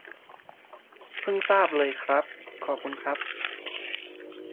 เพิ่งทราบเลยครับ ขอบคุณครับ